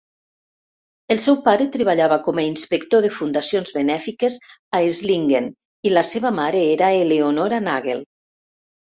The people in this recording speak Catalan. El seu pare treballava com a inspector de fundacions benèfiques a Esslingen i la seva mare era Eleonora Nagel.